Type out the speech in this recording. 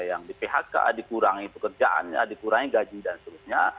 yang di phk dikurangi pekerjaannya dikurangi gaji dan sebagainya